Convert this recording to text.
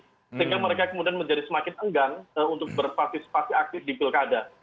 sehingga mereka kemudian menjadi semakin enggan untuk berpartisipasi aktif di pilkada